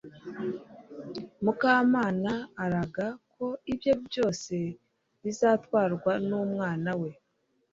mukamana araga ko ibye byose bizatwarwa n'umwana we